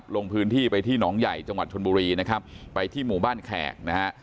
ลงพื้นที่ไปที่หนองใหญ่จังหวัดชนบุรีนะครับไปที่หมู่บ้านแขกนะฮะ